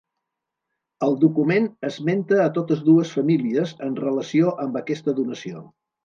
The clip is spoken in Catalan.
El document esmenta a totes dues famílies en relació amb aquesta donació.